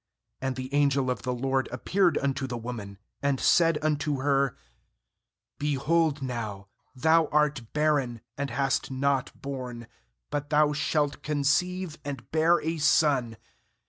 3And the angel of the LORD appeared unto the woman, and said unto her 'Behold now, thou art barren, and hast not borne; but thou shalt con ceive, and bear a son.